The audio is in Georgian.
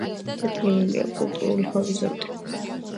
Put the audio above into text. დადგენილია კულტურული ჰორიზონტი.